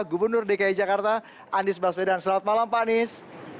gubernur dki jakarta andries balsuweda selamat malam pak andries